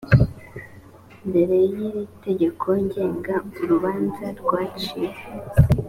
mbere y iri tegeko ngenga urubanza rwaciwe